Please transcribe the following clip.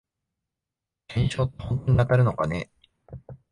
懸賞ってほんとに当たるのかね